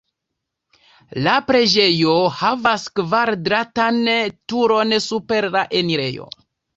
La preĝejo havas kvadratan turon super la enirejo.